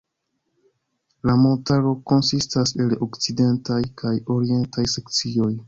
La montaro konsistas el okcidentaj kaj orientaj sekcioj.